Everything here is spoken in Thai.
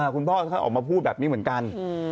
คุณพ่อท่านออกมาพูดแบบนี้เหมือนกัน